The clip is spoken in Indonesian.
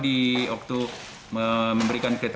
di kukul kakak